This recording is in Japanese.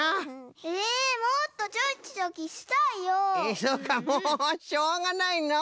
えそうかもうしょうがないのう。